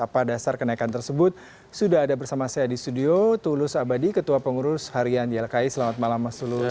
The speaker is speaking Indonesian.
pada dasar kenaikan tersebut sudah ada bersama saya di studio tulus abadi ketua pengurus harian ylki selamat malam mas tulus